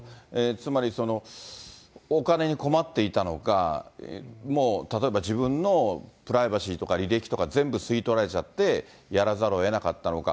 つまりお金に困っていたのか、もう例えば自分のプライバシーとか履歴とか全部吸い取られちゃって、やらざるをえなかったのか。